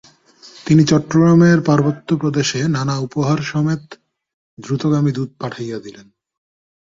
তিনি চট্টগ্রামের পার্বত্য প্রদেশে নানা উপহার -সমেত দ্রুতগামী দূত পাঠাইয়া দিলেন।